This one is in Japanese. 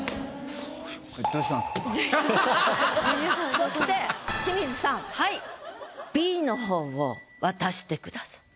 そして清水さんＢの方を渡してください。